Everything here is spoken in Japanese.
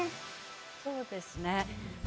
そうですね。